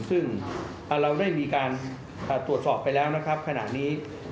ซึ่งเราได้มีการตรวจสอบไปแล้วนะครับขณะนี้